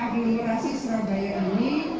agenerasi surabaya ini